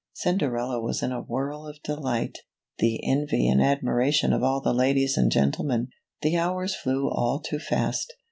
Cinderella was in a whirl of delight, the envy and admiration of all the ladies and gentlemen. The hours flew all too fast.